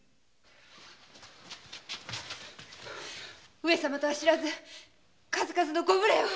上様とは知らず数々のご無礼を。